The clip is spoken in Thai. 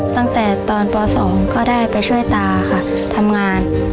ตั้งแต่ตอนป๒ก็ได้ไปช่วยตาค่ะทำงาน